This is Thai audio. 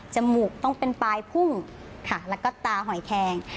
มูกต้องเป็นปลายพุ่งค่ะแล้วก็ตาหอยแคง